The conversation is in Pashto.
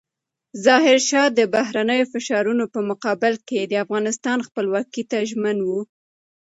ظاهرشاه د بهرنیو فشارونو په مقابل کې د افغانستان خپلواکۍ ته ژمن و.